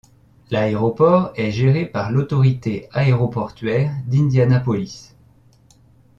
L'aéroport est géré par l'autorité aéroportuaire d'Indianapolis.